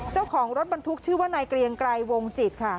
เจ้าของรถบรรทุกชื่อว่านายเกรียงไกรวงจิตค่ะ